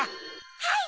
・はい！